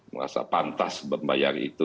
merasa pantas membayar itu